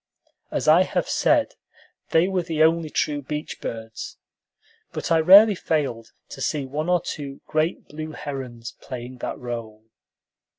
As I have said, they were the only true beach birds; but I rarely failed to see one or two great blue herons playing that rôle.